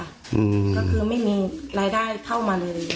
ก็คือไม่มีรายได้เข้ามาเลย